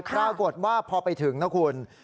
ปรากฏว่าพอไปถึงนะคุณ